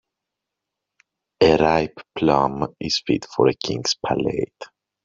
A ripe plum is fit for a king's palate.